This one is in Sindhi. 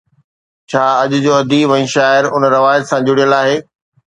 ڇا اڄ جو اديب ۽ شاعر ان روايت سان جڙيل آهي؟